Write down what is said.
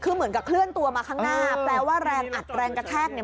คือเหมือนกับเคลื่อนตัวมาข้างหน้าแปลว่าแรงอัดแรงกระแทกเนี่ย